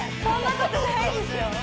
そんなことないですよ